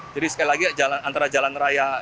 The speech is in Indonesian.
jadi sekali lagi antara jalan raya